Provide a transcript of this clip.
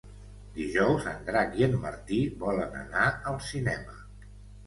Dijous en Drac i en Martí volen anar al cinema.